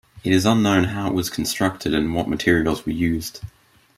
It is unknown how it was constructed and what materials were used.